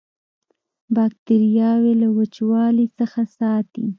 باکتریاوې له وچوالي څخه ساتي.